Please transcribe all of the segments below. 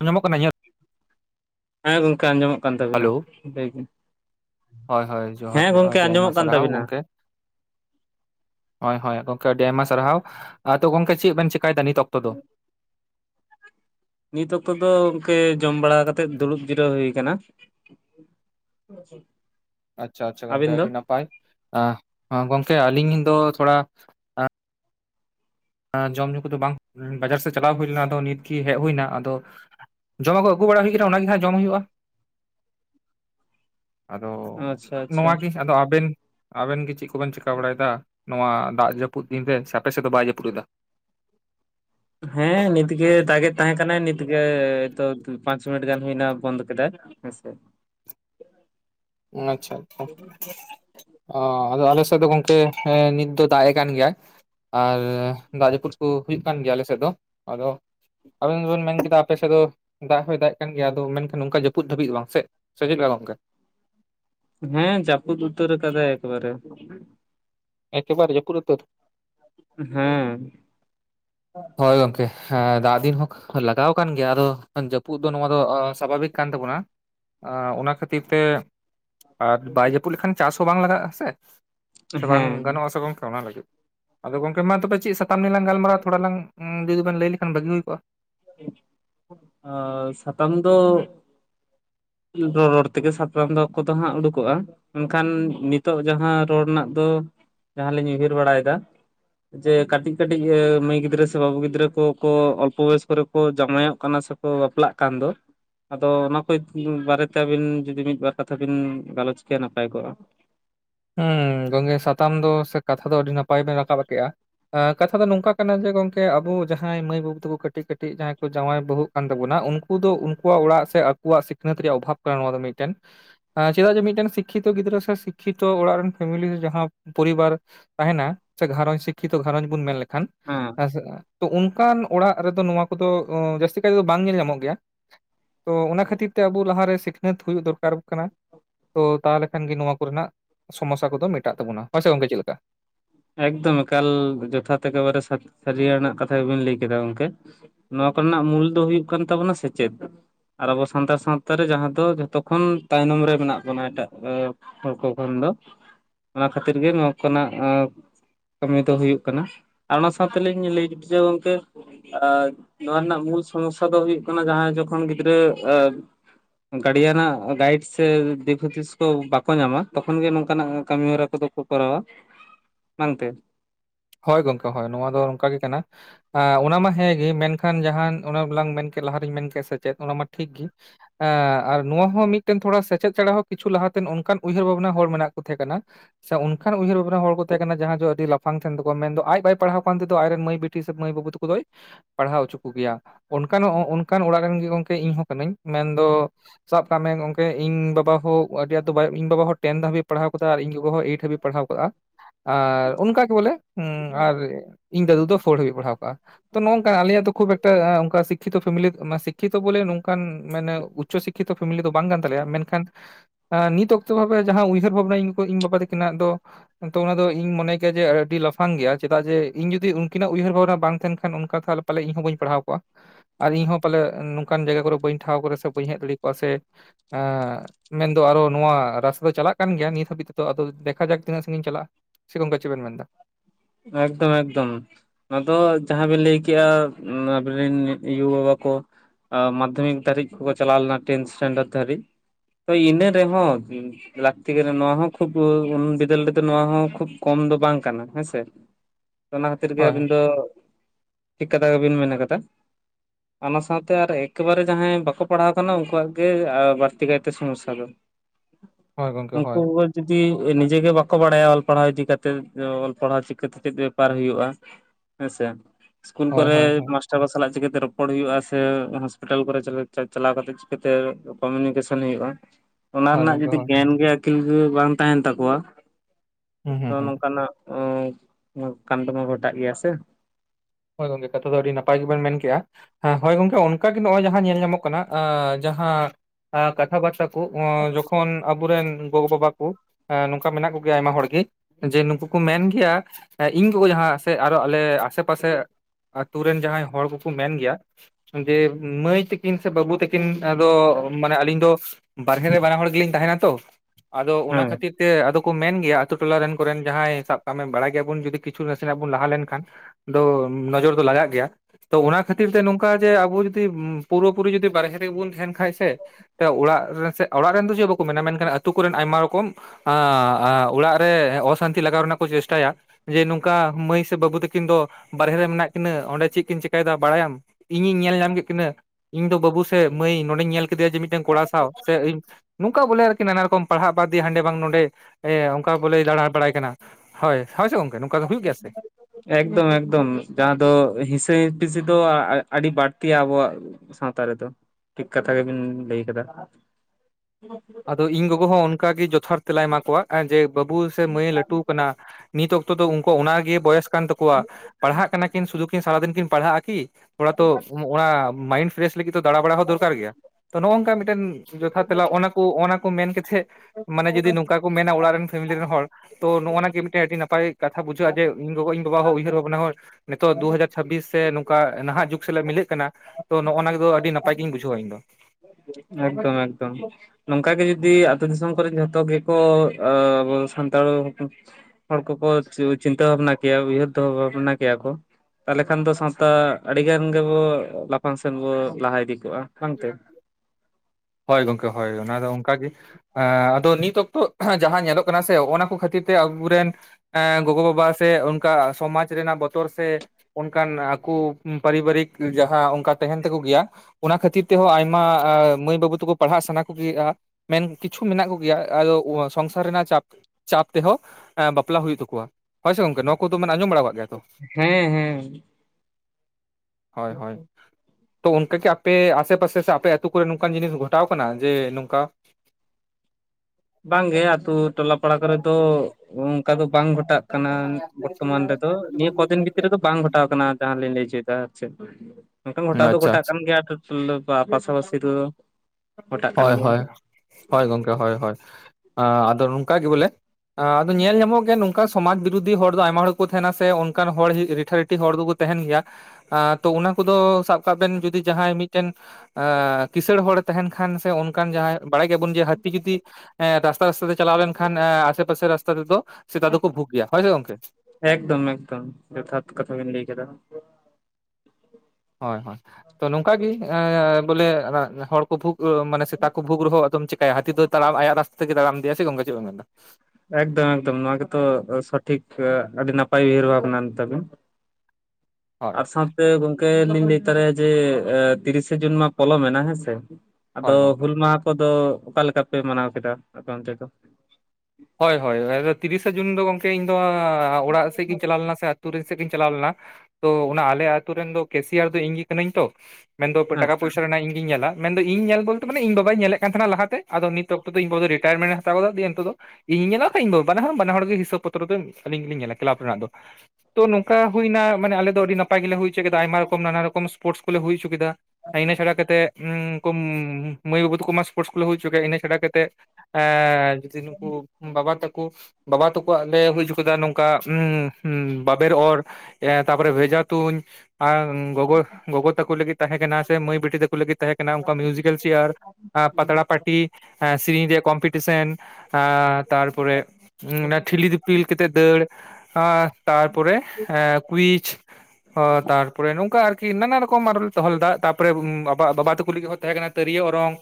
ᱟᱸᱡᱚᱢ ᱚᱜ ᱠᱟᱱᱟ ᱤᱧᱟᱜ ᱦᱮᱸ ᱜᱚᱝᱠᱮ ᱟᱸᱡᱚᱢᱚᱜ ᱠᱟᱱ ᱛᱟᱹᱵᱤᱱᱟ ᱦᱮᱞᱳ ᱞᱟᱹᱭ ᱵᱤᱱ ᱦᱳᱭ ᱦᱳᱭ [inaudible] ᱡᱚᱦᱟᱨ ᱦᱮᱸ ᱡᱚᱦᱟᱨ ᱜᱚᱢᱠᱮ ᱟᱹᱰᱤ ᱟᱭᱢᱟ ᱟᱸᱡᱚᱢᱚᱜ ᱠᱟᱱ ᱥᱟᱨᱦᱟᱣ ᱛᱟᱵᱤᱱᱟ᱾ ᱜᱚᱝᱠᱮ ᱦᱳᱭ ᱦᱳᱭ ᱜᱚᱝᱠᱮ ᱟᱹᱰᱤ ᱟᱭᱢᱟ ᱥᱟᱨᱦᱟᱣ ᱟᱫᱚ ᱜᱚᱝᱠᱮ ᱪᱮᱫ ᱵᱮᱱ ᱪᱮᱠᱟᱭᱮᱫᱟ ᱱᱤᱛ ᱚᱠᱛᱚ ᱫᱚ? ᱱᱤᱛ ᱚᱠᱛᱚ ᱫᱚ ᱜᱚᱢᱠᱮ ᱡᱚᱢ ᱵᱟᱲᱟ ᱠᱟᱛᱮᱫ ᱫᱩᱲᱩᱵ ᱡᱤᱨᱟᱹᱣ ᱦᱩᱭ ᱟᱠᱟᱱᱟ᱾ [unintelligible] ᱟᱪᱪᱷᱟ ᱟᱪᱪᱷᱟ ᱜᱚᱝᱠᱮ ᱟᱹᱵᱤᱱ ᱫᱚ ᱟᱹᱰᱤ ᱱᱟᱯᱟᱭ ᱜᱚᱝᱠᱮ ᱟᱹᱞᱤᱧ ᱫᱚ ᱛᱷᱚᱲᱟ ᱡᱚᱢ ᱧᱩ ᱠᱚᱫᱚ ᱵᱟᱝ ᱵᱟᱡᱟᱨ ᱥᱮᱫ ᱪᱟᱞᱟᱣ ᱦᱩᱭ ᱞᱮᱱᱟ ᱟᱫᱚ ᱱᱤᱛᱜᱮ ᱦᱮᱡ ᱦᱩᱭᱱᱟ ᱟᱫᱚ ᱡᱚᱢᱟᱜ ᱠᱚ ᱟᱹᱜᱩ ᱵᱟᱲᱟ ᱦᱩᱭ ᱠᱟᱱᱟ ᱚᱱᱟᱜᱮ ᱦᱟᱸᱜ ᱡᱚᱢ ᱦᱩᱭᱩᱜᱼᱟ᱾ ᱟᱫᱚ ᱟᱪᱪᱷᱟ ᱟᱪᱪᱷᱟ ᱱᱚᱣᱟᱜᱮ ᱟᱫᱚ ᱟᱵᱮᱱ ᱟᱵᱮᱱ ᱜᱮ ᱪᱮᱫ ᱠᱚᱵᱮᱱ ᱪᱤᱠᱟᱹ ᱵᱟᱲᱟᱭᱮᱫᱟ? ᱱᱚᱣᱟ ᱫᱟᱜ ᱡᱟᱹᱯᱩᱫ ᱫᱤᱱ ᱨᱮ ᱥᱮ ᱟᱯᱮ ᱥᱮᱫ ᱫᱚ ᱵᱟᱭ ᱡᱟᱹᱯᱩᱫ ᱮᱫᱟ᱾ ᱦᱮᱸ ᱱᱤᱛᱜᱮ ᱫᱟᱜ ᱮᱫ ᱛᱟᱦᱮᱸ ᱠᱟᱱᱟᱭ ᱱᱤᱛ ᱜᱮ ᱛᱚ ᱯᱟᱸᱪ ᱢᱤᱱᱤᱴ ᱜᱟᱱ ᱦᱩᱭᱱᱟ ᱵᱚᱱᱫᱚ ᱠᱮᱫᱟᱭ᱾ ᱦᱮᱸᱥᱮ [inaudible] ᱟᱪᱪᱷᱟ ᱟᱪᱪᱷᱟ ᱚ ᱟᱫᱚ ᱟᱞᱮ ᱥᱮᱫ ᱫᱚ ᱜᱚᱝᱠᱮ ᱱᱤᱛ ᱫᱚ ᱫᱟᱜ ᱮ ᱠᱟᱱ ᱜᱮᱭᱟ ᱟᱨ ᱫᱟᱜ ᱡᱟᱹᱯᱩᱫ ᱠᱚ ᱦᱩᱭᱩᱜ ᱠᱟᱱ ᱜᱮᱭᱟ ᱟᱞᱮ ᱥᱮᱫ ᱫᱚ ᱟᱫᱚ ᱟᱹᱵᱤᱱ ᱵᱤᱱ ᱢᱮᱱ ᱠᱮᱫᱟ ᱟᱯᱮ ᱥᱮᱫ ᱫᱚ ᱫᱟᱜ ᱦᱚᱸᱭ ᱫᱟᱜ ᱮ ᱠᱟᱱ ᱜᱮᱭᱟ ᱟᱫᱚ ᱢᱮᱱᱠᱷᱟᱱ ᱱᱚᱝᱠᱟ ᱡᱟᱹᱯᱩᱫ ᱫᱷᱟᱹᱵᱤᱡ ᱫᱚ ᱵᱟᱝ ᱥᱮ ᱪᱮᱫ ᱞᱮᱠᱟ ᱜᱚᱝᱠᱮ? ᱦᱮᱸ ᱡᱟᱹᱯᱩᱫ ᱩᱛᱟᱹᱨ ᱠᱟᱫᱟᱭ ᱮᱠᱵᱟᱨᱮ ᱮᱠᱮ ᱵᱟᱨ ᱡᱟᱹᱯᱩᱫ ᱩᱛᱟᱹᱨ ᱦᱮᱸ ᱦᱳᱭ ᱜᱚᱝᱠᱮ ᱫᱟᱜ ᱫᱤᱱ ᱦᱚᱸ ᱞᱟᱜᱟᱣ ᱠᱟᱱ ᱜᱮᱭᱟ ᱟᱫᱚ ᱡᱟᱹᱯᱩᱫ ᱫᱚ ᱱᱚᱣᱟ ᱫᱚ ᱥᱟᱵᱷᱟᱵᱤᱠ ᱠᱟᱱ ᱛᱟᱵᱚᱱᱟ ᱚᱱᱟ ᱠᱷᱟᱹᱛᱤᱨ ᱛᱮ ᱟᱨ ᱵᱟᱭ ᱡᱟᱹᱯᱩᱫ ᱞᱮᱠᱷᱟᱱ ᱪᱟᱥ ᱦᱚᱸ ᱵᱟᱝ ᱞᱟᱜᱟᱜᱼᱟ ᱥᱮ, ᱥᱮ ᱵᱟᱝ ᱦᱮᱸ ᱜᱟᱱᱚᱜ ᱟᱥᱮ ᱜᱚᱝᱠᱮ ᱚᱱᱟ ᱞᱟᱹᱜᱤᱫ ᱟᱫᱚ ᱜᱚᱝᱠᱮ ᱢᱟ ᱛᱚᱵᱮ ᱪᱮᱫ ᱥᱟᱛᱟᱢ ᱱᱤᱭᱮᱹ ᱞᱟᱝ ᱜᱟᱞᱢᱟᱨᱣ-ᱟ ᱛᱷᱚᱲᱟ ᱞᱟᱝ ᱡᱩᱫᱤ ᱵᱮᱱ ᱞᱟᱹᱭ ᱞᱮᱠᱷᱟᱱ ᱵᱷᱟᱹᱜᱤ ᱦᱩᱭ ᱠᱚᱜᱼᱟ? [inaudible] ᱟ ᱥᱟᱛᱟᱢ ᱫᱚ ᱨᱚᱲ ᱨᱚᱲ ᱛᱮᱜᱮ ᱥᱟᱛᱟᱢ ᱫᱚ ᱠᱚᱫᱚ ᱦᱟᱸᱜ ᱩᱰᱩᱠᱚᱜᱼᱟ᱾ ᱢᱮᱱᱠᱷᱟᱱ ᱱᱤᱛᱚᱜ ᱡᱟᱦᱟᱸ ᱨᱚᱲ ᱨᱮᱱᱟᱜ ᱫᱚ ᱡᱟᱦᱟᱸᱞᱤᱧ ᱩᱭᱦᱟᱹᱨ ᱵᱟᱲᱟᱭᱮᱫᱟ ᱡᱮᱹ ᱠᱟᱹᱴᱤᱡ ᱠᱟᱹᱴᱤᱡ ᱢᱟᱹᱭ ᱜᱤᱫᱽᱨᱟᱹ ᱥᱮ ᱵᱟᱹᱵᱩ ᱜᱤᱫᱽᱨᱟᱹ ᱠᱚᱠᱚ ᱚᱞᱯᱚ ᱵᱚᱭᱮᱥ ᱠᱚᱨᱮ ᱠᱚ ᱡᱟᱶᱟᱭᱚᱜ ᱠᱟᱱᱟ ᱥᱮᱠᱚ ᱵᱟᱯᱞᱟᱜ ᱠᱟᱱ ᱫᱚ ᱟᱫᱚ ᱚᱱᱟ ᱠᱚ ᱵᱟᱨᱮᱛᱮ ᱟᱹᱵᱤᱱ ᱡᱩᱫᱤ ᱢᱤᱫ ᱵᱟᱨ ᱠᱟᱛᱷᱟ ᱵᱤᱱ ᱜᱟᱞᱚᱪ ᱠᱮᱭᱟ ᱱᱟᱯᱟᱭ ᱠᱚᱜᱼᱟ᱾ ᱦᱮᱸ ᱜᱚᱝᱜᱮ ᱥᱟᱛᱟᱢ ᱫᱚ ᱥᱮ ᱠᱟᱛᱷᱟ ᱫᱚ ᱟᱹᱰᱤ ᱱᱟᱯᱟᱭ ᱵᱮᱱ ᱨᱟᱠᱟᱵ ᱠᱮᱜᱼᱟ᱾ ᱠᱟᱛᱷᱟ ᱫᱚ ᱱᱚᱝᱠᱟ ᱠᱟᱱᱟ ᱡᱮᱹ ᱜᱚᱝᱠᱮ ᱟᱵᱚ ᱡᱟᱦᱟᱸᱭ ᱢᱟᱹᱭ ᱵᱟᱹᱵᱩ ᱛᱟᱠᱚ ᱠᱟᱹᱴᱤᱡ ᱠᱟᱹᱴᱤᱡ ᱡᱟᱦᱟᱸᱭ ᱠᱚ ᱡᱟᱶᱟᱭ ᱵᱟᱹᱦᱩᱜ ᱠᱟᱱ ᱛᱟᱵᱚᱱᱟ ᱩᱱᱠᱩ ᱫᱚ ᱩᱱᱠᱩᱣᱟᱜ ᱚᱲᱟᱜ ᱥᱮ ᱟᱠᱚᱣᱟᱜ ᱥᱤᱠᱷᱱᱟᱹᱛ ᱨᱮᱭᱟᱜ ᱚᱵᱷᱟᱵᱽ ᱠᱟᱱᱟ ᱱᱚᱶᱟ ᱫᱚ ᱢᱤᱫᱴᱟᱝ᱾ ᱪᱮᱫᱟᱜ ᱡᱮᱹ ᱢᱤᱫᱴᱮᱱ ᱥᱤᱠᱠᱷᱤᱛᱚ ᱜᱤᱫᱽᱨᱟᱹ ᱥᱮ ᱥᱤᱠᱠᱷᱤ ᱛᱚ ᱚᱲᱟᱜ ᱨᱮᱱ ᱯᱷᱮᱢᱮᱞᱤ ᱨᱮ ᱡᱟᱦᱟᱸ ᱯᱚᱨᱤᱵᱟᱨ ᱛᱟᱦᱮᱱᱟ ᱥᱮ ᱜᱷᱟᱸᱨᱚᱡᱽ ᱥᱤᱠᱠᱷᱤᱛᱚ ᱜᱷᱟᱸᱨᱚᱡᱽ ᱵᱚᱱ ᱢᱮᱱ ᱞᱮᱠᱷ ᱠᱷᱟᱱ ᱦᱮᱸ [inaudible] ᱛᱚ ᱩᱱᱠᱩ ᱱᱚᱝᱠᱟᱱ ᱚᱲᱟᱜ ᱨᱮᱫᱚ ᱱᱚᱣᱟ ᱠᱚᱫᱚ ᱡᱟᱹᱥᱛᱤ ᱠᱟᱭ ᱛᱮ ᱫᱚ ᱵᱟᱝ ᱧᱮᱞ ᱧᱟᱢᱚᱜ ᱜᱮᱭᱟ ᱛᱚ ᱚᱱᱟ ᱠᱷᱟᱹᱛᱤᱨ ᱛᱮ ᱟᱵᱚ ᱞᱟᱦᱟᱨᱮ ᱥᱤᱠᱷᱱᱟᱹᱛ ᱦᱩᱭᱩᱜ ᱫᱚᱨᱠᱟᱨᱚᱜ ᱠᱟᱱᱟ ᱛᱚ ᱛᱟᱦᱚᱞᱮ ᱠᱷᱟᱱ ᱜᱮ ᱱᱚᱣᱟ ᱠᱚᱨᱮᱱᱟᱜ ᱥᱚᱢᱚᱥᱥᱟ ᱠᱚᱫᱚ ᱢᱮᱴᱟᱜ ᱛᱟᱵᱚᱱᱟ ᱦᱚᱭ ᱥᱮ ᱜᱚᱝᱠᱮ ᱪᱮᱫ ᱞᱮᱠᱟ? ᱮᱠᱫᱚᱢ ᱮᱠᱟᱞ ᱡᱚᱛᱷᱟᱛ ᱮᱠᱮᱵᱟᱨᱮ ᱥᱟᱹᱨᱤᱭᱟᱱᱟᱜ ᱠᱟᱛᱷᱟ ᱜᱮᱵᱤᱱ ᱞᱟᱹᱭ ᱠᱮᱫᱟ ᱜᱚᱝᱠᱮ ᱱᱚᱣᱟ ᱠᱚᱨᱮᱱᱟᱜ ᱢᱩᱞ ᱫᱚ ᱦᱩᱭᱩᱜ ᱠᱟᱱ ᱛᱟᱵᱚᱱᱟ ᱥᱮᱪᱮᱫ᱾ ᱟᱨ ᱟᱵᱚ ᱥᱟᱱᱛᱟᱲ ᱥᱟᱶᱛᱟ ᱨᱮ ᱡᱟᱦᱟᱸ ᱫᱚ ᱡᱷᱚᱛᱚ ᱠᱷᱚᱱ ᱛᱟᱭᱱᱚᱢ ᱨᱮ ᱢᱮᱱᱟᱜ ᱵᱚᱱᱟ ᱮᱴᱟᱜ ᱦᱚᱲ ᱠᱚ ᱠᱷᱚᱱ ᱫᱚ, ᱚᱱᱟ ᱠᱷᱟᱹᱛᱤᱨ ᱜᱮ ᱱᱚᱝᱠᱟᱱ ᱟᱜ ᱠᱟᱹᱢᱤ ᱫᱚ ᱦᱩᱭᱩᱜ ᱠᱟᱱᱟ ᱟᱨ ᱚᱱᱟ ᱥᱟᱶ ᱛᱮᱞᱤᱧ ᱞᱟᱹᱭᱫᱟ ᱜᱚᱝᱠᱮ ᱟᱨ ᱱᱚᱣᱟ ᱨᱮᱱᱟᱜ ᱢᱩᱞ ᱥᱚᱢᱚᱥᱥᱟ ᱫᱚ ᱦᱩᱭᱩᱜ ᱠᱟᱱᱟ ᱡᱟᱦᱟᱸᱭ ᱡᱚᱠᱷᱚᱱ ᱜᱤᱫᱽᱨᱟᱹ ᱮ ᱜᱟᱹᱰᱤᱭᱟᱱᱟᱜ ᱜᱟᱭᱤᱰ ᱥᱮ ᱫᱤᱥ ᱦᱩᱫᱤᱥ ᱠᱚ ᱵᱟᱠᱚ ᱧᱟᱢᱟ ᱛᱚᱠᱷᱚᱱ ᱜᱮ ᱱᱚᱝᱠᱟᱱᱟᱜ ᱠᱟᱹᱢᱤ ᱦᱚᱨᱟ ᱠᱚᱫᱚ ᱠᱚ ᱠᱚᱨᱟᱣᱟ ᱵᱟᱝᱛᱮ᱾ ᱦᱳᱭ ᱜᱚᱝᱠᱮ ᱦᱳᱭ, ᱱᱚᱣᱟ ᱫᱚ ᱱᱚᱝᱠᱟ ᱜᱮ ᱠᱟᱱᱟ᱾ ᱚᱱᱟ ᱢᱟ ᱦᱮᱸ ᱜᱮ ᱢᱮᱱᱠᱷᱟᱱ ᱡᱟᱦᱟᱸᱟᱱ ᱚᱱᱟᱞᱟᱝ ᱢᱮᱱᱠᱮᱫ ᱞᱟᱦᱟᱨᱤᱧ ᱢᱮᱱ ᱠᱮᱫ ᱥᱮᱪᱮᱫ ᱚᱱᱟ ᱢᱟ ᱴᱷᱤᱠ ᱜᱮ ᱮᱸ ᱟᱨ ᱱᱚᱣᱟ ᱦᱚᱸ ᱢᱤᱫᱴᱟᱝ ᱛᱷᱚᱲᱟ ᱥᱮᱪᱮᱫ ᱪᱷᱟᱲᱟ ᱦᱚᱸ ᱠᱤᱪᱷᱩ ᱞᱟᱦᱟᱛᱮ ᱚᱱᱠᱟᱱ ᱩᱭᱦᱟᱹᱨ ᱵᱷᱟᱵᱱᱟ ᱦᱚᱲ ᱢᱮᱱᱟᱜ ᱠᱚ ᱛᱟᱦᱮᱸ ᱠᱟᱱᱟ ᱥᱮ ᱚᱱᱠᱟᱱ ᱩᱭᱦᱟᱹᱨ ᱵᱷᱟᱵᱽ ᱨᱮᱱ ᱦᱚᱲ ᱠᱚ ᱛᱟᱦᱮᱸ ᱠᱟᱱᱟ ᱡᱟᱦᱟᱸ ᱡᱚ ᱟᱹᱰᱤ ᱞᱟᱯᱷᱟᱝ ᱛᱟᱦᱮᱱ ᱛᱟᱠᱚᱣᱟ ᱢᱮᱱᱫᱚ ᱟᱡ ᱵᱟᱭ ᱯᱟᱲᱦᱟᱣ ᱠᱟᱱ ᱛᱮᱫᱚ ᱟᱡᱨᱮᱱ ᱢᱟᱹᱭ ᱵᱤᱴᱤ ᱥᱮ ᱢᱟᱹᱭ ᱵᱟᱹᱵᱩ ᱛᱟᱠᱚ ᱫᱚᱭ ᱯᱟᱲᱦᱟᱣ ᱦᱚᱪᱚ ᱠᱚᱜᱮᱭᱟ, ᱚᱱᱠᱟᱱ ᱚ ᱚᱱᱠᱟᱱ ᱚᱲᱟᱜ ᱨᱮᱱ ᱜᱮ ᱜᱚᱝᱠᱮ ᱤᱧᱦᱚᱸ ᱠᱟᱹᱱᱟᱹᱧ ᱢᱮᱱ ᱫᱚ ᱥᱟᱵ ᱠᱟᱜ ᱢᱮ ᱜᱚᱝᱠᱮ ᱤᱧ ᱵᱟᱵᱟ ᱦᱚᱸ ᱟᱹᱰᱤ ᱟᱸᱴ ᱫᱚ ᱤᱧ ᱵᱟᱵᱟ ᱦᱚᱸ ᱴᱮᱱ ᱫᱷᱟᱹᱵᱤᱡ ᱮ ᱯᱟᱲᱦᱟᱣ ᱠᱟᱫᱟ ᱟᱨ ᱤᱧ ᱜᱚᱜᱚ ᱦᱚᱸ ᱮᱭᱤᱴ ᱦᱟᱹᱵᱤᱡ ᱯᱟᱲᱦᱟᱣ ᱠᱟᱜᱼᱟ, ᱟᱨ ᱚᱱᱠᱟ ᱜᱮ ᱵᱚᱞᱮ ᱩᱸ ᱟᱨ ᱤᱧ ᱫᱟᱫᱩ ᱫᱚ ᱯᱷᱳᱨ ᱦᱟᱹᱵᱤᱡ ᱯᱟᱲᱦᱟᱣ ᱠᱟᱜᱼᱟ, ᱛᱚ ᱱᱚᱜ-ᱚᱱᱠᱟ ᱟᱞᱤᱧᱟᱜ ᱫᱚ ᱠᱷᱩᱵ ᱮᱠᱴᱟ ᱚᱱᱠᱟ ᱥᱤᱠᱷ ᱠᱠᱷᱤᱛᱚ ᱯᱷᱮᱢᱮᱞᱤ ᱢᱟᱱᱮ ᱥᱤᱠᱠᱷᱤᱛᱚ ᱵᱚᱞᱮ ᱱᱚᱝᱠᱟᱱ ᱢᱟᱱᱮ ᱩᱪᱪᱚ ᱥᱤᱠᱠᱷᱤᱛᱚ ᱯᱷᱮᱢᱮᱞᱤ ᱫᱚ ᱵᱟᱝ ᱠᱟᱱ ᱛᱟᱞᱮᱭᱟ ᱢᱮᱱᱠᱷᱟᱱ ᱮᱸ ᱱᱤᱛ ᱚᱠᱛᱚ ᱵᱷᱟᱵᱮ ᱡᱟᱦᱟᱸ ᱩᱭᱦᱟᱹᱨ ᱵᱷᱟᱵᱽᱱᱟᱧ ᱤᱧ ᱜᱚᱜᱚ ᱤᱧ ᱵᱟᱵᱟ ᱛᱟᱹᱠᱤᱱᱟᱜ ᱫᱚ ᱛᱚ ᱚᱱᱟᱫᱚ ᱤᱧ ᱢᱚᱱᱮ ᱠᱮᱭᱟ ᱡᱮ ᱟᱹᱰᱤ ᱞᱟ ᱯᱷᱟᱝ ᱜᱮᱭᱟ, ᱪᱮᱫᱟᱜ ᱡᱮ ᱤᱧ ᱡᱩᱫᱤ ᱩᱱᱠᱤᱱᱟᱜ ᱩᱭᱦᱟᱹᱨ ᱵᱷᱟᱵᱽᱱᱟ ᱵᱟᱝ ᱛᱟᱦᱮᱱ ᱠᱷᱟᱱ ᱚᱱᱠᱟ ᱛᱷᱟ ᱚᱞᱮ ᱯᱟᱞᱮ ᱤᱧ ᱦᱚᱸ ᱵᱟᱹᱧ ᱯᱟᱲᱦᱟᱣ ᱠᱚᱜ-ᱟ᱾ ᱟᱨ ᱤᱧᱦᱚᱸ ᱯᱟᱞᱮ ᱱᱚᱝᱠᱟᱱ ᱡᱟᱭᱜᱟ ᱠᱚᱨᱮ ᱵᱟᱹᱧ ᱴᱷᱟᱶ ᱠᱚᱨᱮ ᱥᱮ ᱵᱟᱹᱧ ᱦᱮᱡ ᱫᱟᱲᱮ ᱠᱚᱣᱟ ᱥᱮ ᱮᱸ ᱢᱮᱱᱫᱚ ᱟᱨᱚ ᱱᱚᱣᱟ ᱨᱟᱥᱛᱟ ᱫᱚ ᱪᱟᱞᱟᱜ ᱠᱟᱱ ᱜᱮᱭᱟ ᱱᱤᱛ ᱦᱵᱤᱡ ᱛᱮᱫᱚ ᱟᱫᱚ ᱫᱮᱠᱷᱟ ᱡᱟᱠ ᱛᱤᱱᱟᱹᱜ ᱥᱟᱺᱜᱤᱧ ᱪᱟᱞᱟᱜᱼᱟ᱾ ᱥᱮ ᱜᱚᱝᱠᱮ ᱪᱮᱫ ᱵᱮᱱ ᱢᱮᱱ ᱮᱫᱟ? ᱮᱠᱫᱚᱢ ᱮᱠᱫᱚᱢ᱾ ᱱᱚᱣᱟ ᱫᱚ ᱡᱟᱦᱟᱸ ᱵᱮᱱ ᱞᱟᱹᱭ ᱠᱮᱜᱼᱟ ᱟᱵᱮᱱ ᱨᱮᱱ ᱭᱩ ᱵᱟᱵᱟ ᱠᱚ ᱢᱟᱫᱽᱫᱷᱚᱢᱤᱠ ᱫᱷᱟᱹᱨᱤᱡ ᱠᱚᱠᱚ ᱪᱟᱞᱟᱣ ᱞᱮᱱᱟ ᱴᱮᱱ ᱥᱴᱮᱱᱰᱟᱨᱵ ᱫᱷᱟᱹᱨᱤᱡ, ᱛᱚ ᱤᱱᱟᱹ ᱨᱮᱦᱚᱸ ᱞᱟᱹᱠᱛᱤ ᱠᱟᱱᱟ ᱱᱚᱣᱟ ᱦᱚᱸ ᱠᱷᱩᱵ ᱩᱱ ᱵᱤᱫᱟᱹᱞ ᱨᱮᱫᱚ ᱱᱚᱣᱟ ᱦᱚᱸ ᱠᱷᱩᱵ ᱠᱚᱢ ᱫᱚ ᱵᱟᱝ ᱠᱟᱱᱟ, ᱦᱮᱸ ᱥᱮ? ᱚᱱᱟ ᱠᱷᱟᱹᱛᱤᱨ ᱜᱮ ᱦᱳᱭ ᱟᱹᱵᱤᱱ ᱦᱳᱭ ᱫᱚ ᱴᱷᱤᱠ ᱠᱟᱛᱷᱟ ᱜᱮᱵᱤᱱ ᱢᱮᱱ ᱠᱟᱫᱟ᱾ [inaudible] ᱚᱱᱟ ᱥᱟᱶᱛᱮ ᱟᱨ ᱮᱠᱮᱵᱟᱨᱮ ᱡᱟᱦᱟᱸᱭ ᱵᱟᱠᱚ ᱯᱟᱲᱦᱟᱣ ᱠᱟᱱᱟ ᱩᱱᱠᱩᱣᱟᱜ ᱜᱮ ᱵᱟᱹᱲᱛᱤ ᱠᱟᱭᱛᱮ ᱥᱚᱢᱚᱥᱥᱟ ᱫᱚ᱾ ᱦᱳᱭ ᱜᱚᱝᱠᱮ ᱩᱱᱠᱩ ᱦᱳᱭ ᱠᱚᱜᱮ ᱡᱩᱫᱤ ᱱᱤᱡᱮ ᱜᱮ ᱵᱟᱠᱚ ᱵᱟᱲᱟᱭᱟ ᱚᱞ ᱯᱟᱲᱦᱟᱣ ᱡᱫᱤ ᱠᱟᱛᱮᱫ, ᱚᱞ ᱯᱟᱲᱦᱟᱣ ᱪᱮᱫ [inaudible] ᱪᱮᱫ ᱵᱮᱯᱟᱨ ᱦᱩᱭᱩᱜᱼᱟ, ᱦᱮᱸ ᱥᱮ, ᱥᱠᱩᱞ ᱦᱳᱭ ᱠᱚᱨᱮ ᱦᱳᱭ ᱦᱳᱭ ᱢᱟᱥ ᱴᱟᱨ ᱠᱚ ᱥᱟᱞᱟᱜ ᱪᱤᱠᱟᱹᱛᱮ ᱨᱚᱯᱚᱲ ᱦᱩᱭᱩᱜᱼᱟ ᱥᱮ ᱦᱚᱸᱥᱯᱤᱴᱟᱞ ᱠᱚᱨᱮ ᱪᱟᱞᱟ ᱪᱟᱞᱟᱣ ᱠᱟᱛᱮᱫ ᱪᱤᱠᱟᱹᱛᱮ ᱠᱚᱢᱤᱭᱩᱱᱤᱠᱮᱥᱚᱱ ᱦᱩᱭᱩᱜᱼᱟ, [inaudible] ᱚᱱᱟ ᱦᱳᱭ ᱨᱮᱱᱟᱜ ᱜᱚᱝᱠᱮ ᱡᱩᱫᱤ ᱦᱳᱭ ᱜᱮᱭᱟᱱ ᱜᱮ ᱟᱹᱠᱤᱞ ᱜᱮ ᱵᱟᱝ ᱛᱟᱦᱮᱱ ᱛᱟᱠᱚᱣᱟ, ᱦᱩᱸ ᱛᱚ ᱦᱩᱸ ᱦᱩᱸ ᱱᱚᱝᱠᱟᱱᱟᱜ ᱮᱸ ᱠᱟᱱᱰᱚ ᱢᱟ ᱜᱷᱚᱴᱟᱜ ᱜᱮᱭᱟ ᱥᱮ᱾ ᱦᱳᱭ ᱜᱚᱝᱠᱮ ᱠᱟᱛᱷᱟ ᱫᱚ ᱟᱹᱰᱤ ᱱᱟᱯᱟᱭ ᱜᱮᱵᱮᱱ ᱢᱮᱱ ᱠᱮᱫᱮᱜᱼᱟ᱾ ᱦᱮᱸ ᱦᱳᱭ ᱜᱚᱝᱠᱮ ᱚᱱᱠᱟ ᱜᱮ ᱱᱚᱜᱼᱚᱭ ᱡᱟᱦᱟᱸ ᱧᱮᱞ ᱧᱟᱢᱚᱜ ᱠᱟᱱᱟ ᱮᱸ ᱡᱟᱦᱟᱸ ᱠᱟᱛᱷᱟ ᱵᱟᱨᱛᱟ ᱠᱚ ᱚᱸ ᱡᱚᱠᱷᱚᱱ ᱟᱵᱚ ᱨᱮᱱ ᱜᱚᱜᱚ ᱵᱟᱵᱟ ᱠᱚ ᱱᱚᱝᱠᱟ ᱢᱮᱱᱟᱜ ᱠᱚᱜᱮᱭᱟ ᱟᱭᱢᱟ ᱦᱚᱲ ᱜᱮ ᱡᱮ ᱱᱩᱠᱩ ᱠᱩ ᱢᱮᱱ ᱜᱮᱭᱟ, ᱤᱧ ᱜᱚᱜᱚ ᱡᱟᱦᱟᱸ ᱥᱮ ᱟᱨᱦᱚᱸ ᱟᱞᱮ ᱟᱥᱮ ᱯᱟᱥᱮ ᱟᱛᱩ ᱨᱮᱱ ᱡᱟᱦᱟᱸᱭ ᱦᱚᱲ ᱠᱚᱠᱚ ᱢᱮᱱ ᱜᱮᱭᱟ ᱡᱮ ᱢᱟᱹᱭ ᱛᱟᱹᱠᱤᱱ ᱥᱮ ᱵᱟᱹᱵᱩ ᱛᱟᱹᱠᱤᱱ ᱟᱫᱚ ᱢᱟᱱᱮ ᱟᱹᱞᱤᱧ ᱫᱚ ᱵᱟᱨᱦᱮ ᱨᱮ ᱵᱟᱱᱟ ᱦᱚᱲ ᱜᱮᱞᱤᱧ ᱛᱟᱦᱮᱱᱟ ᱛᱚ, ᱟᱫᱚ ᱚᱱᱟ ᱦᱮᱸ ᱠᱷᱟᱹᱛᱤᱨ ᱛᱮ ᱟᱫᱚ ᱠᱚ ᱢᱮᱱ ᱜᱮᱭᱟ ᱟᱛᱳ ᱴᱚᱞᱟ ᱨᱮᱱ ᱠᱚᱨᱮᱱ ᱡᱟᱦᱟᱸᱭ, ᱥᱟᱵ ᱠᱟᱜ ᱢᱮ ᱵᱟᱲᱟᱭ ᱜᱮᱭᱟᱵᱚᱱ ᱡᱩᱫᱤ ᱠᱤᱪᱷᱩ ᱱᱟᱥᱮᱱᱟᱜ ᱵᱚᱱ ᱞᱟᱦᱟ ᱞᱮᱱᱠᱷᱟᱱ ᱫᱚ ᱱᱚᱡᱚᱨ ᱫᱚ ᱞᱟᱜᱟᱜ ᱜᱮᱭᱟ᱾ ᱛᱚ ᱚᱱᱟ ᱠᱷᱟᱹᱛᱤᱨ ᱛᱮ ᱱᱚᱝᱠᱟ ᱡᱮ ᱟᱵᱚ ᱡᱩᱫᱤ ᱯᱩᱨᱟᱹ ᱯᱩᱨᱤ ᱡᱩᱫᱤ ᱵᱟᱨᱦᱮ ᱨᱮᱜᱮ ᱵᱚᱱ ᱛᱟᱦᱮᱱ ᱠᱷᱟᱱᱡ ᱥᱮ, ᱛᱮ ᱚᱲᱟᱜ ᱨᱮᱱ ᱥᱮ ᱚᱲᱟᱜ ᱨᱮᱱ ᱫᱚ ᱪᱮᱫ ᱵᱟᱠᱚ ᱢᱮᱱᱟ ᱢᱮᱱᱠᱷᱟᱱ ᱟᱛᱳ ᱠᱚᱨᱮᱱ ᱟᱭᱢᱟ ᱨᱚᱠᱚᱢ ᱟᱸ ᱟ ᱚᱲᱟᱜ ᱨᱮ ᱚᱥᱟᱱᱛᱤ ᱞᱟᱜᱟᱣ ᱨᱮᱱᱟᱜ ᱠᱚ ᱪᱮᱥᱴᱟᱭᱟ, ᱡᱮ ᱱᱚᱝᱠᱟ ᱢᱟᱹᱭ ᱥᱮ ᱵᱟᱹᱵᱩ ᱛᱟᱹᱠᱤᱱ ᱫᱚ ᱵᱟᱨᱦᱮ ᱨᱮ ᱢᱮᱱᱟᱜ ᱠᱤᱱᱟᱹ ᱚᱸᱰᱮ ᱪᱮᱫ ᱠᱤᱱ ᱪᱠᱟᱹᱭᱮᱫᱟ ᱵᱟᱲᱟᱭᱟᱢ ᱤᱧ ᱤᱧ ᱧᱮᱞ ᱧᱟᱢ ᱠᱮᱫ ᱠᱤᱱᱟᱹ ᱾ ᱤᱧ ᱫᱚ ᱵᱟᱹᱵᱩ ᱥᱮ ᱢᱟᱹᱭ ᱱᱚᱸᱰᱮᱧ ᱧᱮᱞ ᱠᱮᱫᱮᱭᱟ ᱡᱮ ᱢᱤᱫᱴᱮᱱ ᱠᱚᱲᱟ ᱥᱟᱶ ᱥᱮ ᱤᱧ ᱱᱚᱝᱠᱟ ᱵᱚᱞᱮ ᱟᱨᱠᱤ ᱱᱟᱱᱟ ᱨᱚᱠᱚᱢ ᱯᱟᱲᱦᱟᱜ ᱵᱟᱫ ᱫᱤᱭᱮ ᱦᱟᱸᱰᱮ ᱵᱟᱝ ᱱᱚᱸᱰᱮ ᱦᱮ ᱚᱱᱠᱟ ᱠᱚᱨᱮ ᱫᱟᱲᱟ ᱵᱟᱲᱟᱭ ᱠᱟᱱᱟ ᱾ ᱦᱳᱭ, ᱦᱳᱭ ᱥᱮ ᱜᱚᱝᱠᱮ ᱱᱚᱝᱠᱟ ᱫᱚ ᱦᱩᱭᱩᱜ ᱜᱮᱭᱟ ᱥᱮ‌ ᱾ ᱮᱠᱫᱚᱢ ᱮᱠᱫᱚᱢ ᱡᱟᱦᱟᱸ ᱫᱚ ᱦᱤᱥᱟᱹ [unintelligible] ᱫᱚ ᱟᱹᱰᱤ ᱵᱟᱹᱲᱛᱤᱭᱟ ᱟᱵᱚᱣᱟᱜ ᱥᱟᱶᱛᱟ ᱨᱮᱫᱚ ᱴᱷᱤᱠ ᱠᱟᱛᱷᱟ ᱜᱮᱵᱤᱱ ᱞᱟᱹᱭ ᱟᱠᱟᱫᱟ ᱾ [inaudible] ᱟᱫᱚ ᱤᱧ ᱜᱚᱜᱚ ᱦᱚᱸ ᱚᱱᱠᱟ ᱜᱮ ᱡᱚᱛᱷᱟᱛ ᱛᱮᱞᱟᱭ ᱮᱢᱟ ᱠᱚᱣᱟ ᱡᱮ ᱵᱟᱹᱵᱩ ᱥᱮ ᱢᱟᱹᱭ ᱞᱟᱹᱴᱩ ᱟᱠᱟᱱᱟ ᱱᱤᱛ ᱚᱠ ᱛᱚ ᱫᱚ ᱩᱱᱠᱩ ᱚᱱᱟᱜᱮ ᱵᱚᱭᱮᱥ ᱠᱟᱱ ᱛᱟᱠᱚᱣᱟ ᱾ ᱯᱟᱲᱦᱟᱜ ᱠᱟᱱᱟ ᱠᱤᱱ ᱥᱩᱫᱷᱩ ᱠᱤᱱ ᱥᱟᱨᱟᱫᱤᱱ ᱠᱤᱱ ᱯᱟᱲᱦᱟᱜ-ᱟ ᱠᱤ ᱾ ᱛᱷᱚᱲᱟ ᱛᱚ [unintelligible] ᱢᱟᱭᱤᱱᱰ ᱯᱷᱨᱮᱥ ᱞᱟᱹᱜᱤᱫ ᱛᱚ ᱫᱟᱬᱟ ᱵᱟᱲᱟ ᱦᱚᱸ ᱫᱚᱨᱠᱟᱠ ᱜᱮᱭᱟ, ᱛᱚ ᱱᱚᱜ ᱱᱚᱝᱠᱟ ᱢᱤᱫᱴᱮᱱ ᱡᱚᱛᱷᱟᱛ ᱛᱮᱞᱟ ᱚᱱᱟ ᱠᱚ ᱚᱱᱟ ᱠᱚ ᱢᱮᱱ ᱠᱟᱛᱷᱮ ᱢᱟᱱᱮ ᱡᱩᱫᱤ ᱱᱚᱝᱠᱟ ᱠᱚ ᱢᱮᱱᱟ ᱚᱲᱟᱜ ᱨᱮᱱ ᱯᱷᱮᱢᱞᱤ ᱨᱮᱱ ᱦᱚᱲ ᱛᱚ ᱱᱚᱜ-ᱚ ᱱᱚᱣᱟ ᱜᱮ ᱢᱤᱫᱴᱮᱱ ᱟᱹᱰᱤ ᱱᱟᱯᱟᱭ ᱠᱟᱛᱷᱟ ᱵᱩᱡᱷᱟᱹᱜ-ᱟ ᱡᱮ ᱤᱧ ᱜᱚᱜᱚ ᱤᱧ ᱵᱟᱵᱟ ᱦᱚᱸ ᱩᱭᱦᱟᱹᱨ ᱵᱷᱟᱵᱽᱱᱟ ᱦᱚᱸ ᱱᱤᱛᱚᱜ ᱫᱩ ᱦᱟᱡᱟᱨ ᱪᱷᱟᱵᱽᱵᱤᱥ ᱥᱮ ᱱᱚᱝᱠᱟ ᱱᱟᱦᱟᱜ ᱡᱩᱜᱽ ᱥᱟᱞᱟᱜ ᱢᱤᱞᱟᱹᱜ ᱠᱟᱱᱟ ᱾ ᱛᱚ ᱱᱚᱜᱚ-ᱱᱟ ᱜᱮᱫᱚ ᱟᱹᱰᱤ ᱱᱟᱯᱟᱭ ᱜᱤᱧ ᱵᱩᱡᱷᱟᱹᱣᱟ ᱤᱧ ᱫᱚ ᱾ ᱮᱠᱫᱚᱢ ᱮᱠᱫᱚᱢ ᱾ ᱱᱚᱝᱠᱟ ᱜᱤ ᱡᱩᱫᱤ ᱟᱹᱛᱩ ᱫᱤᱥᱚᱢ ᱠᱚᱨᱮᱱ ᱡᱚᱛᱚ ᱜᱮᱠᱚ ᱟᱵᱚ ᱥᱟᱱᱛᱟᱲ ᱦᱳᱯᱳᱱ ᱦᱚᱲ ᱠᱚᱠᱚ ᱪᱤᱱᱛᱟᱹ ᱵᱷᱟᱵᱽᱱᱟ ᱠᱮᱭᱟ ᱩᱭᱦᱟᱹᱨ ᱫᱚ ᱵᱷᱟᱵᱽᱱᱟ ᱠᱮᱭᱟ ᱠᱚ ᱛᱟᱦᱚᱞᱮ ᱠᱷᱟᱱ ᱫᱚ ᱥᱟᱶᱛᱟ ᱟᱹᱰᱤ ᱜᱟᱱ ᱜᱮᱵᱚ ᱞᱟᱯᱷᱟᱝ ᱥᱮᱱ ᱵᱚ ᱞᱟᱦᱟ ᱤᱫᱤ ᱠᱚᱜ-ᱟ ᱵᱟᱝ ᱛᱮ ᱾ ᱦᱳᱭ ᱜᱚᱝᱠᱮ ᱦᱳᱭ ᱚᱱᱟ ᱫᱚ ᱚᱱᱠᱟ ᱜᱤ ᱾ ᱟ ᱟᱫᱚ ᱱᱤᱛ ᱚᱠᱛᱚ ᱡᱟᱦᱟᱸ ᱧᱮᱞᱚᱜ ᱠᱟᱱᱟ ᱥᱮ ᱚᱸᱜ-ᱚᱱᱟ ᱠᱚ ᱠᱷᱟᱹᱛᱤᱨ ᱛᱮ ᱟᱵᱩᱨᱮᱱ ᱮᱸ ᱜᱚᱜᱚ ᱵᱟᱵᱟ ᱥᱮ ᱚᱱᱠᱟ ᱥᱚᱢᱟᱡᱽ ᱨᱮᱱᱟᱜ ᱵᱚᱛᱚᱨ ᱥᱮ ᱚᱱᱠᱟᱱ ᱟᱠᱩ ᱯᱟᱨᱤᱵᱟᱨᱤᱠ ᱡᱟᱦᱟᱸ ᱚᱱᱠᱟ ᱛᱟᱦᱮᱱ ᱛᱟᱹᱠᱩ ᱜᱮᱭᱟ ᱚᱱᱟ ᱠᱷᱟᱹᱛᱤᱨ ᱛᱮᱦᱚᱸ ᱟᱭᱢᱟ ᱟ ᱢᱟᱹᱭ ᱵᱟᱹᱵᱩ ᱛᱚᱠᱚ ᱯᱟᱲᱦᱟᱜ ᱥᱟᱱᱟ ᱠᱩᱜᱮᱟ, ᱢᱮᱱ ᱠᱤᱪᱷᱩ ᱢᱮᱱᱟᱜ ᱠᱚᱜᱮᱭᱟ ᱟᱫᱚ ᱥᱚᱝᱥᱟᱨ ᱨᱮᱱᱟᱜ ᱪᱟᱯ ᱪᱟᱯ ᱛᱮᱦᱚᱸ ᱵᱟᱯᱞᱟ ᱦᱩᱭᱩᱜ ᱛᱟᱹᱠᱩᱣᱟ ᱦᱳᱭ ᱥᱮ ᱜᱚᱝᱠᱮ ᱱᱚᱣᱟ ᱠᱚᱫᱚ ᱢᱟᱱᱮ ᱟᱸᱡᱚᱢ ᱵᱟᱲᱟᱣ ᱠᱟᱜ ᱦᱮᱸ ᱦᱮᱸ ᱾ [inaudible] ᱦᱚᱭ ᱦᱚᱭ ᱾ ᱛᱚ ᱚᱱᱠᱟ ᱠᱮ ᱟᱯᱮ ᱟᱥᱮ ᱯᱟᱥᱮ ᱥᱮ ᱟᱯᱮ ᱟᱹᱛᱩ ᱠᱚᱨᱮ ᱱᱚᱝᱠᱟᱱ ᱡᱤᱱᱤᱥ ᱜᱷᱚᱴᱟᱣ ᱟᱠᱟᱱᱟ ᱡᱮ ᱱᱚᱝᱠᱟ? ᱵᱟᱝᱜᱮ ᱟᱹᱛᱩ ᱴᱚᱞᱟ ᱯᱟᱲᱟ ᱠᱚᱨᱮ ᱫᱚ ᱚᱱᱠᱟ ᱫᱚ ᱵᱟᱝ ᱜᱷᱚᱴᱟᱜ ᱠᱟᱱᱟ ᱵᱚᱨᱛᱚᱢᱟᱱ ᱨᱮᱫᱚ ᱾ ᱱᱤᱭᱟᱹ ᱠᱚᱫᱤᱱ ᱵᱷᱤᱛᱨᱤ ᱨᱮ ᱫᱚ ᱵᱟᱝ ᱜᱷᱚᱴᱟᱣ ᱟᱠᱟᱱᱟ ᱡᱟᱦᱟᱸ ᱞᱤᱧ ᱞᱟᱹᱭ ᱦᱚᱪᱚᱭ ᱮᱫᱟ ᱟᱨ ᱪᱮᱫ [inaudible] ᱱᱚᱝᱠᱟᱱ ᱜᱷᱚᱴᱟᱣ ᱟᱪᱪᱷᱟ ᱫᱚ ᱟᱪᱪᱷᱟ ᱜᱷᱚᱴᱟᱜ ᱠᱟᱱ ᱜᱮᱭᱟ ᱾ [unintelligible] ᱯᱟᱥᱟ ᱯᱟᱹᱥᱤ ᱨᱮᱫᱚ ᱦᱚᱭ ᱦᱚᱭ, [inaudible] ᱦᱚᱭ ᱜᱚᱝᱠᱮ ᱦᱚᱭ ᱦᱚᱭ ᱾ ᱟᱻ ᱟᱫᱚ ᱱᱚᱝᱠᱟ ᱜᱮ ᱵᱚᱞᱮ ᱾ ᱟᱻ ᱟᱫᱚ ᱧᱮᱞ ᱧᱟᱢᱚᱜ ᱜᱮᱭᱟ ᱱᱚᱝ ᱠᱟ ᱥᱚᱢᱟᱡ ᱵᱤᱨᱩᱫᱷᱤ ᱦᱚᱲ ᱫᱚ ᱟᱭᱢᱟ ᱦᱚᱲ ᱜᱤ ᱠᱚ ᱛᱟᱦᱮᱱᱟ ᱥᱮ ᱚᱱᱠᱟᱱ ᱦᱚᱲ ᱨᱤᱴᱷᱟ ᱨᱤᱴᱤᱷᱤ ᱦᱚᱲ ᱫᱚᱠᱚ ᱛᱟᱦᱮᱱ ᱜᱮᱭᱟ ᱾ ᱟᱻ ᱛᱚ ᱚᱱᱟ ᱠᱚᱫᱚ ᱥᱟᱵ ᱠᱟᱜ ᱵᱮᱱ ᱡᱩᱫᱤ ᱡᱟᱦᱟᱸᱭ ᱢᱤᱫᱴᱮᱱ ᱟᱻ ᱠᱤᱥᱟᱹᱬ ᱦᱚᱲᱮ ᱛᱟᱦᱮᱱ ᱠ ᱠᱷᱟᱱ ᱥᱮ ᱚᱱᱠᱟᱱ ᱡᱟᱦᱟᱸᱭ ᱵᱟᱲᱟᱭ ᱜᱮᱭᱟᱵᱚᱱ ᱡᱮ ᱦᱟᱹᱛᱤ ᱡᱩᱫᱤ ᱮ ᱨᱟᱥᱛᱟ ᱨᱟᱥᱛᱟ ᱛᱮ ᱪᱟᱞᱟᱣ ᱞᱮᱱᱠᱷᱟᱱ ᱟᱥᱮ ᱯᱟᱥᱮ ᱨᱟᱥᱛᱟ ᱛᱮᱫᱚ ᱥᱮᱛᱟ ᱫᱚᱠᱚ ᱵᱷᱩᱜᱽ ᱜᱮᱭᱟ ᱦᱳᱭ ᱥᱮ ᱜᱚᱝᱠᱮ ᱾ ᱮᱠᱫᱚᱢ ᱮᱠᱫᱚᱢ ᱡᱚᱛᱷᱟᱛ ᱠᱟᱛᱷᱟ ᱵᱤᱱ ᱞᱟᱹᱭ ᱠᱮᱫᱟ ᱾ ᱦᱳᱭ ᱦᱳᱭ ᱛᱚ ᱱᱚᱝᱠᱟ ᱜᱤ ᱮᱻ ᱵᱚᱞᱮ ᱦᱚᱲ ᱠᱚ ᱵᱷᱩᱜ ᱢᱟᱱᱮ ᱥᱮᱛᱟ ᱠᱚ ᱵᱷᱩᱜᱽ ᱨᱮᱦᱚ ᱟᱫᱚᱢ ᱪᱮᱠᱟᱭᱟ ᱦᱟᱹᱛᱤ ᱫᱚ ᱛᱟᱲᱟᱢ ᱟᱭᱟᱜ ᱨᱟᱥᱛᱟ ᱛᱮᱜᱮ ᱛᱟᱲᱟᱢ ᱤᱫᱤᱭᱟ ᱥᱮ ᱜᱚᱝᱠᱮ ᱪᱮᱫ ᱵᱮᱱ ᱢᱮᱱ ᱮᱫᱟ ᱾ ᱮᱠᱫᱚᱢ ᱮᱠᱫᱚᱢ ᱱᱚᱣᱟ ᱜᱮᱛᱚ ᱥᱚᱴᱷᱤᱠ ᱟᱹᱰᱤ ᱱᱟᱯᱟᱭ ᱩᱭᱦᱟᱹᱨ ᱵᱷᱟᱵᱽᱱᱟ ᱛᱟᱵᱤᱱ ᱾ ᱦᱳᱭ ᱟᱨ ᱥᱟᱶᱛᱮ ᱜᱚᱝᱠᱮ ᱞᱤᱧ ᱞᱟᱹᱭ ᱛᱚᱨᱟᱭᱟ ᱡᱮ ᱛᱤᱨᱤᱥᱮ ᱡᱩᱱ ᱢᱟ ᱯᱚᱞᱚᱢ ᱮᱱᱟ ᱦᱮᱸᱥᱮ, ᱟᱫᱚ ᱦᱳᱭ ᱜᱚᱝᱠᱮ ᱦᱩᱞ ᱢᱟᱦᱟ ᱠᱚᱫᱚ ᱚᱠᱟ ᱞᱮᱠᱟ ᱯᱮ ᱢᱟᱱᱟᱣ ᱠᱮᱫᱟ ᱟᱯᱮ ᱚᱱᱛᱮ ᱫᱚ? ᱦᱳᱭ ᱦᱳᱭ ᱾ ᱦᱳᱭ ᱟᱫᱚ ᱛᱤᱨᱤᱥᱮ ᱡᱩᱱ ᱫᱚ ᱜᱚᱝᱠᱮ ᱤᱧ ᱫᱚ ᱚᱲᱟᱜ ᱥᱮᱜ ᱜᱤᱧ ᱪᱟᱞᱟᱣ ᱞᱮᱱᱟ ᱥᱮ ᱟᱹᱛᱩ ᱨᱮᱱ ᱥᱮᱜ ᱜᱤᱧ ᱪᱟᱞᱟᱣ ᱞᱮᱱᱟ, ᱛᱚ ᱚᱱᱟ ᱟᱞᱮ ᱟᱹᱛᱩ ᱨᱮᱱ ᱫᱚ ᱠᱮᱥᱤᱭᱟᱲ ᱫᱚ ᱤᱧ ᱜᱮ ᱠᱟᱹᱱᱟᱹᱧ ᱛᱚ ᱾ ᱢᱮᱱ ᱫᱚ ᱴᱟᱠᱟ ᱟᱪᱪᱷᱟ ᱯᱚᱭᱥᱟ ᱨᱮᱱᱟᱜ ᱤᱧ ᱜᱮᱧ ᱧᱮᱞᱟ ᱢᱮᱱᱫᱚ ᱤᱧ ᱧᱮᱞ ᱵᱚᱞᱛᱮ ᱢᱟᱱᱮ ᱤᱧ ᱵᱟᱵᱟᱭ ᱧᱮᱞᱮᱜ ᱠᱟᱱ ᱛᱟᱦᱮᱱᱟ ᱞᱟᱦᱟᱛᱮ ᱟᱫᱚ ᱱᱤᱛ ᱚᱠᱛᱚ ᱤᱧ ᱵᱚ ᱫᱚ ᱨᱤᱴᱟᱨᱢᱮᱱᱴ ᱮ ᱦᱟᱛᱟᱣ ᱠᱟᱫᱟ ᱤᱧ ᱱᱤᱛᱚᱜ ᱫᱚ ᱤᱧ ᱧᱮᱞᱟ ᱥᱮ ᱤᱧ ᱵᱚᱵᱟ ᱵᱟᱱᱟ ᱦᱚ ᱵᱟᱱᱟ ᱦᱚᱲ ᱜᱤ ᱦᱤᱥᱟᱹᱵ ᱯᱚᱛᱨᱚ ᱫᱚ ᱟᱞᱤᱧ ᱜᱤᱞᱤᱧ ᱧᱮᱞᱟ ᱠᱞᱟᱵᱽ ᱨᱮᱱᱟᱜ ᱫᱚ᱾ ᱛᱚ ᱱᱚᱝᱠᱟ ᱦᱩᱭᱱᱟ ᱢᱟᱱᱮ ᱟᱞᱮ ᱫᱚ ᱟᱹᱰᱤ ᱱᱟᱯᱟᱭ ᱜᱮᱞᱮ ᱦᱩᱭ ᱪᱚ ᱠᱮᱫᱟ ᱟᱭᱢᱟ ᱨᱚᱠᱚᱢ ᱱᱟᱱᱟ ᱨᱚᱠᱚᱢ ᱯᱳᱥᱴ ᱠᱚᱞᱮ ᱦᱩᱭ ᱪᱩ ᱠᱮᱫᱟ ᱤᱱᱟᱹ ᱪᱷᱟᱲᱟ ᱠᱟᱛᱮᱜ ᱩᱸ ᱠᱩᱢ ᱢᱟᱹᱭ ᱵᱟᱵᱩ ᱛᱟᱹᱠᱚ ᱢᱟ ᱥᱯᱳᱨᱴᱥ ᱠᱚᱞᱮ ᱦᱩᱭ ᱪᱚ ᱠᱮ ᱤᱱᱟᱹ ᱪᱷᱟᱰᱟ ᱠᱟᱛᱮᱫ ᱮ ᱡᱩᱫᱤ ᱱᱩᱠᱩ ᱵᱟᱵᱟ ᱛᱟᱹᱠᱩ ᱵᱟᱵᱟ ᱛᱟᱹᱠᱩᱣᱟ ᱟᱞᱮ ᱦᱩᱭ‌ ᱪᱩ ᱠᱮᱫᱟ ᱱᱚᱝᱠᱟ ᱵᱟᱵᱮᱨ ᱚᱨ ᱛᱟᱯᱚᱨᱮ ᱵᱷᱮᱡᱟ ᱛᱩᱧ ᱟᱨ ᱜᱚᱜᱚ ᱜᱚᱜᱚ ᱛᱟᱹᱠᱩ ᱞᱟᱹᱜᱤᱫ ᱛᱟᱦᱮᱸ ᱠᱟᱱᱟ ᱥᱮ ᱢᱟᱹᱭ ᱵᱤᱴᱤ ᱛᱟᱹᱠᱩ ᱞᱟᱹᱜᱤᱫ ᱛᱟᱦᱮᱸ ᱠᱟᱱᱟ ᱠᱱᱟ ᱚᱱᱠᱩᱣᱟᱜ ᱢᱤᱡᱤᱠᱮᱞ ᱪᱮᱭᱟᱨ ᱯᱟᱛᱲᱟ ᱯᱟᱴᱤ ᱥᱮᱨᱤᱧ ᱨᱮᱭᱟᱜ ᱠᱚᱢᱯᱤᱴᱤᱥᱮᱱ ᱟ ᱛᱟᱨᱯᱚᱨᱮ ᱚᱱᱟ ᱴᱷᱤᱞᱤ ᱫᱤᱯᱤᱞ ᱠᱟᱛᱮᱜ ᱫᱟᱹᱲ ᱟᱨ ᱛᱟᱨᱯᱚᱨ ᱮ ᱠᱩᱭᱤᱪᱷ ᱚ ᱛᱟᱨᱯᱚᱨᱮ ᱱᱚᱝᱠᱟ ᱟᱨᱠ ᱠᱤ ᱱᱟᱱᱟ ᱨᱚᱠᱚᱢ ᱟᱨᱚᱞᱮ ᱫᱚᱦᱚ ᱞᱮᱫᱟ ᱛᱟᱨᱯᱚᱨᱮ ᱵᱟᱵᱟ ᱵᱟᱵᱟ ᱛᱟᱹᱠᱩ ᱞᱟᱹᱜᱤᱫ ᱦᱚᱸ ᱛᱟᱦᱮᱸ ᱠᱟᱱᱟ ᱛᱟᱹᱨᱤᱭᱳ ᱚᱨᱚᱝ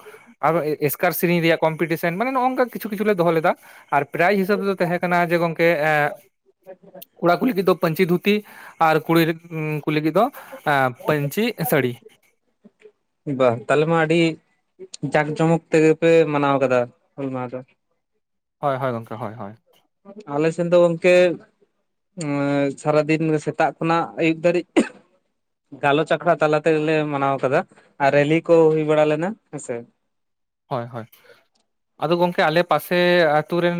ᱟᱨ ᱮᱥᱠᱟᱨ ᱥᱮᱨᱮᱧ ᱨᱮᱭᱟᱜ ᱠᱚᱢᱯᱤᱴᱤᱥᱚᱱ ᱢᱟᱱᱮ ᱱᱚᱜᱚ ᱱᱝᱚᱠᱟ ᱠᱤᱪᱷᱩ ᱠᱤᱷᱩᱞ ᱞᱮ ᱫᱚᱦᱚ ᱞᱮᱫᱟ ᱟᱨ ᱯᱨᱟᱭᱤᱡᱽ ᱦᱤᱥᱟᱹᱵ ᱫᱚ ᱛᱟᱦᱮᱸ ᱠᱟᱱᱟ ᱡᱮ ᱜᱚᱝᱠᱮ ᱮ ᱠᱚᱲᱟ ᱠᱚ ᱞᱟᱹᱜᱤᱫ ᱫᱚ ᱯᱟᱹᱧᱪᱤ ᱫᱷᱩᱛ ᱛᱤ ᱟᱨ ᱠᱩᱲᱤ ᱠᱩ ᱞᱟᱹᱜᱤᱫ ᱫᱚ ᱯᱟᱹᱧᱪᱤ ᱥᱟᱹᱲᱤ ᱵᱟ ᱛᱟᱦᱚᱞᱮ ᱢᱟ ᱟᱹᱰᱤ ᱡᱟᱠ ᱡᱚᱢᱚᱠ ᱛᱮᱜᱮ ᱯᱮ ᱢᱟᱱᱟᱣ ᱞᱮᱫᱟ ᱦᱩᱞ ᱢᱟᱦᱟ ᱫᱚ? ᱦᱳᱭ ᱦᱳᱭ ᱜᱚᱝᱠᱮ ᱦᱳᱭ ᱦᱳᱭ ᱟᱞᱮᱥᱮᱱ ᱫᱚ ᱜᱚᱝᱠᱮ ᱥᱟᱨᱟᱫᱤᱱ ᱥᱮᱛᱟᱜ ᱠᱷᱚᱱᱟᱜ ᱟᱹᱭᱩᱵ ᱫᱷᱟᱹᱨᱤᱡ ᱜᱟᱞᱚᱪ ᱟᱠᱷᱲᱟ ᱛᱟᱞᱟ ᱛᱮᱜᱞᱮ ᱢᱟᱱᱟᱣ ᱟᱠᱟᱫᱟ ᱟᱨ ᱨᱮᱞᱤᱤ ᱠᱚ ᱦᱩᱭ ᱵᱟᱲᱟ ᱞᱮᱱᱟ ᱦᱮᱸᱥᱮ ᱦᱳᱭ ᱦᱳᱭ ᱟᱫᱚ ᱜᱚᱝᱠᱮ ᱟᱞᱮ ᱯᱟᱥᱮ ᱟᱛᱩ ᱨᱮᱱ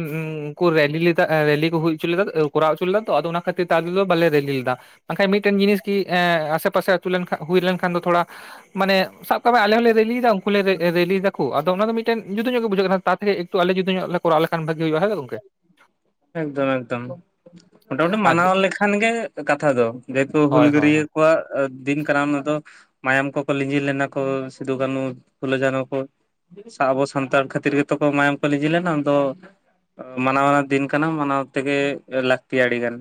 ᱩᱱᱠᱩ ᱨᱮᱞᱤ ᱮ ᱨᱮᱞᱤ ᱠᱚ ᱦᱩᱭ ᱩᱪᱚ ᱞᱮᱫᱟ ᱠᱚᱨᱟᱣ ᱚᱪᱚ ᱞᱮᱫᱟ ᱛᱚ ᱟᱫᱚ ᱚᱱᱟ ᱠᱷᱟᱹᱛᱤᱨ ᱟᱞᱮ ᱫᱚ ᱵᱟᱞᱮ ᱨᱮᱞᱤ ᱞᱮᱫᱟ ᱵᱟᱝᱠᱷᱟᱡ ᱢᱤᱫᱴᱮᱱ ᱡᱤᱱᱤᱥ ᱜᱮ ᱮ ᱟᱥᱮ ᱯᱟᱥᱮ ᱟᱛᱩ ᱞᱮᱱᱠᱷᱟᱱ ᱦᱩᱭ ᱞᱮᱱᱠᱷᱟᱱ ᱫᱚ ᱛᱷᱚᱲᱟ ᱢᱟᱱᱮ ᱥᱟᱵ ᱠᱟᱜ ᱢᱮ ᱟᱞᱮ ᱦᱚᱸᱞᱮ ᱨᱮᱞᱤᱭᱮᱫᱟ ᱩᱱᱠᱩ ᱞᱮ ᱨᱮᱞᱤᱭᱮᱫᱟ ᱟᱫᱚ ᱚᱱᱟ ᱫᱚ ᱢᱤᱴᱮᱱ ᱡᱩᱫᱟᱹ ᱧᱚᱜ ᱜᱮ ᱵᱩᱡᱷᱟᱹᱜ ᱠᱟᱱᱟ ᱛᱟᱨ ᱛᱮᱠᱮ ᱮᱠᱴᱩ ᱟᱞᱮ ᱡᱩᱫᱟᱹ ᱧᱚᱜ ᱞᱮ ᱠᱚᱟᱣ ᱞᱮᱠᱷᱟᱱ ᱵᱷᱟᱜᱤ ᱦᱩᱭᱩᱜᱼᱟ ᱦᱮᱥᱮ ᱜᱚᱝᱠᱮ ᱮᱠᱫᱚᱢ ᱮᱠᱫᱚᱢ ᱢᱚᱴᱟᱢᱩᱴᱤ ᱟᱨ ᱢᱟᱱᱟᱣ ᱞᱮᱠᱷᱟᱱ ᱜᱮ ᱠᱟᱛᱷᱟ ᱫᱚ ᱡᱮᱦᱮᱛᱩ ᱦᱳᱭ ᱦᱳᱭ ᱦᱳᱭ ᱦᱩᱞᱜᱟᱹᱨᱭᱟᱹ ᱠᱚᱣᱟᱜ ᱫᱤᱱ ᱠᱟᱱᱟ ᱚᱱᱟ ᱫᱚ ᱢᱟᱭᱟᱢ ᱠᱚᱠᱚ ᱞᱤᱸᱡᱤ ᱞᱮᱱᱟ ᱠᱚ ᱥᱤᱫᱩ, ᱠᱟᱹᱱᱩ, ᱯᱷᱩᱞᱟᱹ, ᱡᱟᱱᱚ ᱠᱚ ᱥᱟᱣ ᱟᱵᱚ ᱥᱟᱱᱛᱟᱲ ᱠᱷᱟᱹᱛᱤᱨ ᱜᱮᱛᱚ ᱠᱚ ᱢᱟᱭᱟᱢ ᱠᱚ ᱞᱸᱤᱡᱤ ᱞᱮᱱᱟ ᱩᱱ ᱫᱚ ᱢᱟᱱᱟᱣ ᱟᱱᱟᱜ ᱫᱤᱱ ᱠᱟᱱᱟ ᱢᱟᱱᱟᱣ ᱛᱮᱜᱮ ᱞᱟᱹᱠᱛᱤ ᱟ ᱟᱹᱰᱤᱜᱟᱱ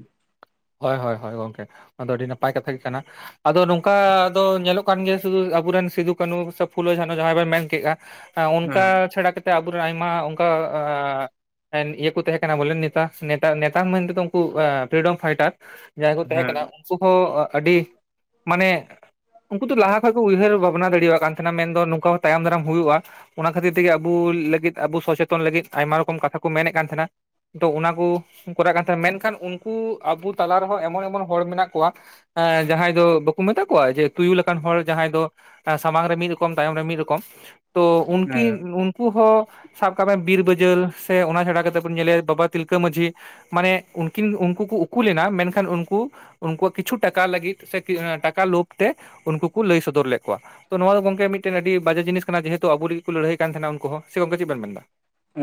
ᱦᱳᱭ ᱦᱳᱭ ᱦᱳᱭ ᱜᱚᱝᱠᱮ ᱱᱚᱣᱟ ᱫᱚ ᱟᱹᱰᱤ ᱱᱟᱯᱟᱭ ᱠᱟᱛᱷᱟ ᱜᱮ ᱠᱟᱱᱟ᱾ ᱟᱫᱚ ᱱᱚᱝᱠᱟ ᱟᱫᱚ ᱧᱮᱞᱚᱜ ᱠᱟᱱ ᱜᱮᱭᱟ ᱥᱩᱫᱩ ᱟᱵᱚᱨᱮᱱ ᱥᱤᱫᱩ ᱠᱟᱱᱩ ᱥᱮ ᱯᱷᱩᱞᱳ ᱡᱷᱟᱱᱚ ᱡᱟᱦᱟᱸᱭ ᱵᱚᱱ ᱢᱮᱱ ᱠᱮᱜᱼᱟ ᱚᱱᱠᱟ ᱦᱮᱸ ᱪᱷᱟᱲᱟ ᱠᱟᱛᱮᱜ ᱟᱵᱚᱨᱮᱱ ᱟᱭᱢᱟ ᱚᱱᱠᱟ ᱤᱭᱟᱹ ᱠᱚ ᱛᱟᱦᱮᱸ ᱠᱟᱱᱟ ᱵᱚᱞᱮ ᱱᱮᱛᱟ ᱱᱮᱛᱟ ᱢᱮᱱᱛᱮᱫᱚ ᱩᱱᱠᱩ ᱯᱷᱤᱨᱤᱰᱚᱢ ᱯᱷᱟᱭᱴᱟᱨ ᱡᱟᱦᱟᱸᱭ ᱠᱚ ᱛᱟᱦᱮᱸ ᱦᱮᱸ ᱠᱟᱱᱟ ᱩᱱᱠᱩ ᱦᱚᱸ ᱟᱹᱰᱤ ᱢᱟᱱᱮ ᱩᱱᱠᱩ ᱫᱚ ᱞᱟᱦᱟ ᱠᱷᱚᱡ ᱠᱚ ᱩᱭᱦᱟᱹᱨ ᱵᱷᱟᱵᱽᱱᱟ ᱫᱟᱲᱮᱣᱟᱜ ᱠᱟᱱ ᱛᱟᱦᱮᱱᱟ ᱢᱮᱱᱫᱚ ᱱᱚᱝᱠᱟ ᱦᱚᱸ ᱛᱟᱭᱚᱢ ᱫᱟᱨᱟᱢ ᱦᱩᱭᱩᱜᱼᱟ ᱚᱱᱟ ᱠᱷᱟᱹᱛᱤᱨ ᱛᱮᱜᱮ ᱟᱵᱚ ᱞᱟᱹᱜᱤᱫ ᱟᱵᱚ ᱥᱚᱪᱮᱛᱚᱱ ᱞᱟᱹᱜᱤᱫ ᱟᱭᱢᱟ ᱨᱚᱠᱚᱢ ᱠᱟᱛᱷᱟ ᱠᱚ ᱢᱮᱱᱮᱫ ᱠᱟᱱ ᱛᱟᱦᱮᱱᱟ᱾ ᱛᱚ ᱚᱱᱟ ᱠᱩ ᱩᱱᱠᱩᱨᱟᱜ ᱠᱟᱛᱷᱟ ᱢᱮᱱᱠᱷᱟᱱ ᱩᱱᱠᱩ ᱟᱵᱚ ᱛᱟᱞᱟ ᱨᱮᱦᱚᱸ ᱮᱢᱚᱱ ᱮᱢᱚᱱ ᱦᱚᱲ ᱢᱮᱱᱟᱜ ᱠᱚᱣᱟ ᱮ ᱡᱟᱦᱟᱸᱭ ᱫᱚ ᱵᱟᱠᱚ ᱢᱮᱛᱟ ᱠᱚᱣᱟ ᱡᱮ ᱛᱩᱭᱩ ᱞᱮᱠᱟᱱ ᱦᱚᱲ ᱡᱟᱦᱟᱸᱭ ᱫᱚ ᱥᱟᱢᱟᱝ ᱨᱮ ᱢᱤᱫ ᱨᱚᱠᱚᱢ ᱛᱟᱭᱚᱢ ᱨᱮ ᱢᱤᱫ ᱨᱚᱠᱚᱢ ᱛᱚ ᱩᱱᱠᱤ ᱦᱮᱸ ᱩᱱ ᱩᱱᱠᱩ ᱦᱚᱸ ᱥᱟᱵ ᱠᱟᱜ ᱢᱮ ᱵᱤᱨ ᱵᱟᱹᱡᱟᱹᱞ ᱥᱮ ᱚᱱᱟ ᱪᱷᱟᱲᱟ ᱠᱟᱛᱮᱫ ᱵᱚᱱ ᱧᱮᱞᱮᱭᱟ ᱵᱟᱵᱟ ᱛᱤᱞᱠᱟᱹ ᱢᱟᱡᱷᱤ ᱢᱟᱱᱮ ᱩᱱᱠᱤᱱ ᱩᱱᱠᱩ ᱠᱚ ᱩᱠᱩ ᱞᱮᱱᱟ ᱢᱮᱱᱠᱷᱟᱱ ᱩᱱᱠᱩ ᱩᱱᱠᱩᱣᱟᱜ ᱠᱤᱪᱷᱩ ᱴᱟᱠᱟ ᱞᱟᱹᱜᱤᱫ ᱥᱮ ᱴᱟᱠᱟ ᱞᱳᱵᱷᱛᱮ ᱩᱱᱠᱩ ᱠᱚ ᱞᱟᱹᱭ ᱥᱚᱫᱚᱨ ᱞᱮᱫ ᱠᱚᱣᱟ ᱛᱚ ᱱᱚᱣᱟ ᱫᱚ ᱜᱚᱝᱠᱮ ᱢᱤᱫᱴᱮᱱ ᱟᱹᱰᱤ ᱵᱟᱡᱮ ᱡᱤᱱᱤᱥ ᱡᱮᱦᱮᱛᱩ ᱟᱵᱚ ᱨᱮ ᱠᱚ ᱞᱟᱹᱲᱦᱟᱹᱭ ᱠᱟᱱ ᱛᱟᱦᱮᱱᱟ ᱩᱱᱠᱩ ᱦᱚᱸ ᱥᱮ ᱜᱚᱝᱠᱮ ᱪᱮᱫ ᱵᱮᱱ ᱢᱮᱱᱫᱟ?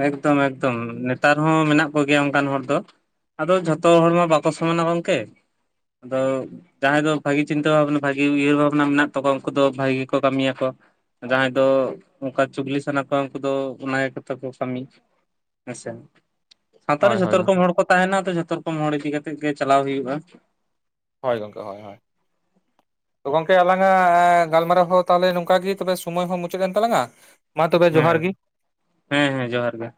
ᱮᱠᱫᱚᱢ ᱮᱠᱫᱚᱢ ᱱᱮᱛᱟᱨ ᱦᱚᱸ ᱢᱮᱱᱟᱜ ᱠᱚᱜᱮᱭᱟ ᱚᱱᱠᱟᱱ ᱦᱚᱲ ᱫᱚ᱾ ᱟᱫᱚ ᱡᱷᱚᱛᱚ ᱦᱚᱲ ᱢᱟ ᱵᱟᱠᱚ ᱥᱚᱢᱟᱱᱟ ᱜᱚᱝᱠᱮ ᱟᱫᱚ ᱡᱟᱦᱟᱸᱭ ᱫᱚ ᱵᱷᱟᱜᱤ ᱪᱤᱱᱛᱟᱹ ᱵᱷᱟᱵᱱᱟ ᱵᱷᱟᱜᱤ ᱩᱭᱦᱟᱹᱨ ᱵᱷᱟᱵᱽᱱᱟ ᱢᱮᱱᱟᱜ ᱛᱟᱠᱚᱣᱟ ᱩᱱᱠᱩ ᱫᱚ ᱵᱷᱟᱜᱤ ᱜᱮᱠᱚ ᱠᱟᱹᱢᱤᱭᱟᱠᱚ᱾ ᱡᱟᱦᱟᱸᱭ ᱫᱚ ᱚᱝᱠᱟ ᱪᱩᱜᱽᱞᱤ ᱥᱟᱱᱟ ᱠᱚᱣᱟ ᱩᱝᱠᱩ ᱫᱚ ᱚᱱᱟ ᱜᱮᱠᱚ ᱛᱟᱨ ᱯᱚᱨ ᱠᱟᱹᱢᱤ ᱦᱮᱸ ᱥᱮ, ᱥᱟᱶᱛᱟᱨᱮ ᱦᱳᱭ ᱦᱳᱭ ᱡᱷᱚᱛᱚ ᱜᱚᱝᱠᱮ ᱨᱚᱠᱚᱢ ᱦᱚᱲ ᱠᱚ ᱛᱟᱦᱮᱱᱟ ᱛᱚ, ᱡᱷᱚᱛᱚ ᱨᱚᱠᱚᱢ ᱦᱚᱲ ᱤᱫᱤ ᱠᱟᱛᱮᱜ ᱜᱮ ᱪᱟᱞᱟᱣ ᱦᱩᱭᱩᱜ-ᱟ᱾ ᱦᱳᱭ ᱜᱚᱝᱠᱮ, ᱦᱳᱭ ᱦᱳᱭ᱾ ᱜᱚᱝᱠᱮ ᱟᱞᱟᱝᱟᱜ ᱜᱟᱞᱢᱟᱨᱟᱣ ᱦᱚᱸ ᱛᱟᱦᱞᱮ ᱱᱚᱝᱠᱮ, ᱛᱟᱦᱞᱮ ᱥᱚᱢᱚᱭ ᱦᱚᱸ ᱢᱩᱪᱟᱹᱫ ᱮᱱ ᱛᱟᱞᱟᱝᱟ᱾ ᱢᱟ ᱛᱚᱵᱮ ᱡᱚᱦᱟᱨ ᱦᱮᱸ, ᱜᱮ ᱦᱮᱸ ᱦᱮᱸ ᱡᱚᱦᱟᱨ ᱜᱮ᱾